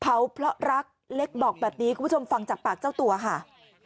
เขาเพราะรักเล็กบอกแบบนี้คุณผู้ชมฟังจากปากเจ้าตัวค่ะ